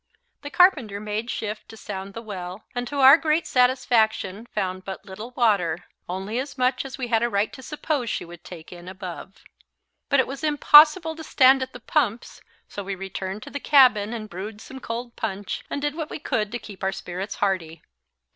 The carpenter made shift to sound the well, and to our great satisfaction found but little water, only as much as we had a right to suppose she would take in above. But it was impossible to stand at the pumps, so we returned to the cabin and brewed some cold punch and did what we could to keep our spirits hearty.